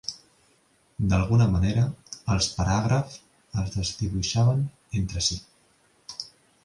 D'alguna manera, els paràgrafs es desdibuixaven entre si.